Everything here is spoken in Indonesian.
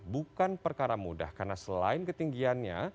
bukan perkara mudah karena selain ketinggiannya